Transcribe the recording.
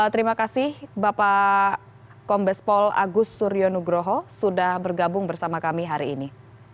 terima kasih bapak kombespol agus suryo nugroho sudah bergabung bersama kami hari ini